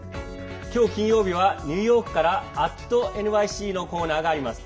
今日、金曜日はニューヨークから「＠ｎｙｃ」のコーナーがあります。